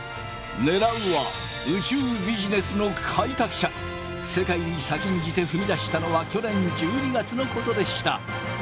狙うは世界に先んじて踏み出したのは去年１２月のことでした。